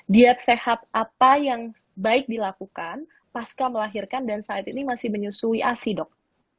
diet sehat apa yang baik dilakukan pasca melahirkan dan saat ini masih menyusui asi dok